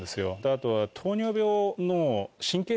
あとは。